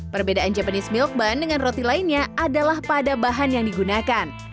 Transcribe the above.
perbedaan japanese milk bun dengan roti lainnya adalah pada bahan yang digunakan